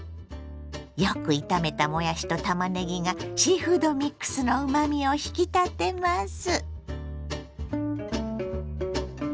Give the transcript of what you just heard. よく炒めたもやしとたまねぎがシーフードミックスのうまみを引き立てます。